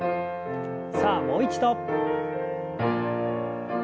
さあもう一度。